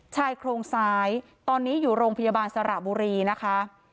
ชายโครงซ้ายตอนนี้อยู่โรงพยาบาลสระบุรีนะคะ